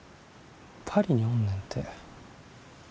パリにおんねんて。